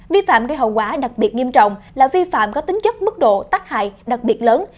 vi phạm gây hậu quả đặc biệt nghiêm trọng là vi phạm có tính chất mức độ tắc hại đặc biệt lớn